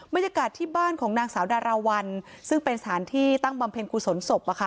บรรยากาศที่บ้านของนางสาวดาราวัลซึ่งเป็นสถานที่ตั้งบำเพ็ญกุศลศพ